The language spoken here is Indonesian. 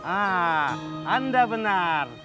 ah anda benar